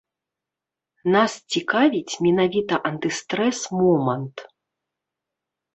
Нас цікавіць менавіта антыстрэс-момант.